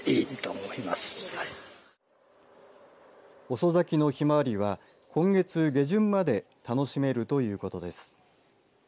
遅咲きのひまわりは今月下旬まで楽しめるということです。